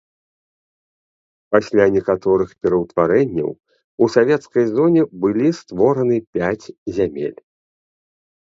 Пасля некаторых пераўтварэнняў у савецкай зоне былі створаны пяць зямель.